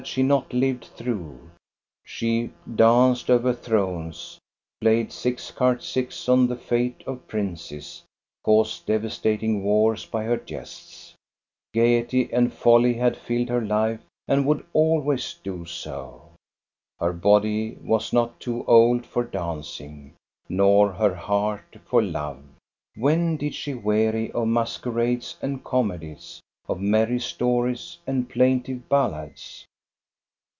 she not lived through ? She had danced over thrones, played 6cart6 on the fate of princes, caused devastating wars by her jests ! Gayety and folly had filled her life and would 16 242 THE STORY OF GOSTA BERLING always do so. Her body was not too old for dancing, nor her heart for love. When did she weary of mas querades and comedies, of merry stories and plaintive ballads